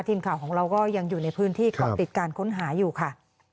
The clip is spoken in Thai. ทีมข่าวของเราก็ยังอยู่ในพื้นที่เกาะติดการค้นหาอยู่ค่ะ